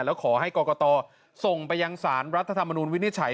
แล้วขอให้กรกตส่งไปยังสารรัฐธรรมนูลวินิจฉัย